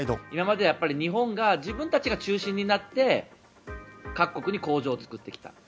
今までは日本が自分たちが中心になって各国に工場を作ってきた。